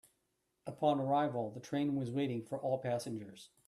Upon arrival, the train was waiting for all passengers.